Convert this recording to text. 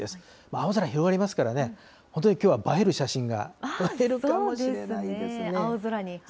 青空広がりますからね、本当にきょうは映える写真が撮れるかもしれないですね。